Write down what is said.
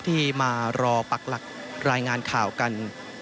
ที่มารอปักหลักรายงานข่าวกัน